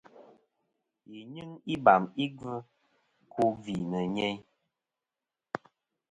Yi nyɨŋ ibam i gvɨ ku gvì nɨ̀ nyeyn.